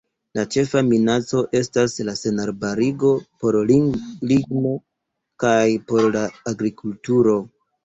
La ĉefa minaco estas la senarbarigo por ligno kaj por la agrikulturo.